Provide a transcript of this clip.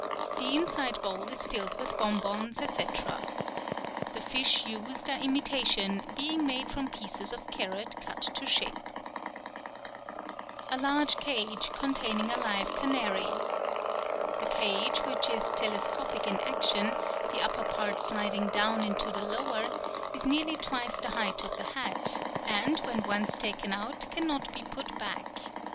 The inside bowl is filled with bonbons, etc. (See Fig. 19.) The fish used are imitation, being made from pieces of carrot cut to shape. Fig. 19. Bowl of Gold Fish. A large cage containing a live canary.—The cage, which is telescopic in action, the upper part sliding down into the lower, is nearly twice the height of the hat, and when once taken out cannot be put back.